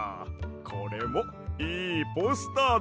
これもいいポスターだわ。